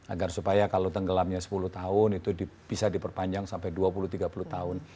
agar supaya kalau tenggelamnya sepuluh tahun itu bisa diperpanjang sampai dua puluh tiga puluh tahun